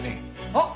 あっ！